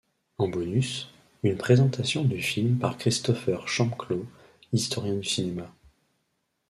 En bonus, une présentation du film par Christopher Champclaux, historien du cinéma.